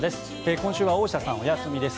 今週は大下さんがお休みです。